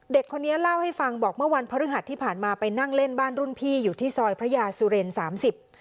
เด็กคนนี้เล่าให้ฟังบอกเมื่อวันพฤหัสที่ผ่านมาไปนั่งเล่นบ้านรุ่นพี่อยู่ที่ซอยพระยาสุเรนสามสิบ